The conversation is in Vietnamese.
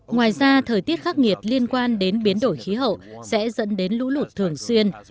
ngoài ra thời tiết khắc nghiệt liên quan đến biến đổi khí hậu sẽ dẫn đến lũ lụt thường xuyên